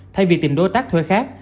thay vì tìm đối tác thuê khác